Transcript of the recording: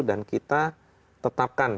dan kita tetapkan